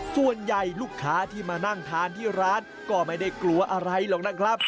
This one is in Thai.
ส่วนใหญ่ลูกค้าที่มานั่งทานที่ร้านก็ไม่ได้กลัวอะไรหรอกนะครับ